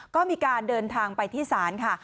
ก็มีการเดินทางไปที่ศาลค่ะ